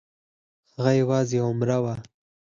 هغه یوازې عمره وه.